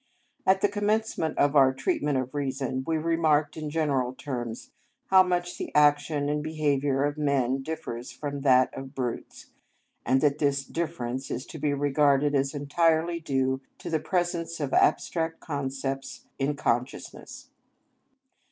At the commencement of our treatment of reason we remarked, in general terms, how much the action and behaviour of men differs from that of brutes, and that this difference is to be regarded as entirely due to the presence of abstract concepts in consciousness.